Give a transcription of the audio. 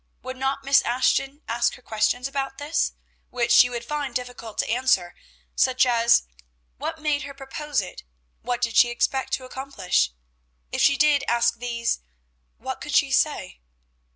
Would not Miss Ashton ask her questions about this, which she would find difficult to answer; such as, "What made her propose it? What did she expect to accomplish?" If she did ask these, what could she say?